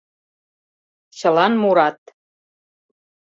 Чылан мурат: